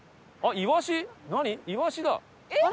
「イワシ」だ。